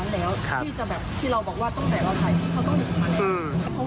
๓๐๐เมตรได้นะ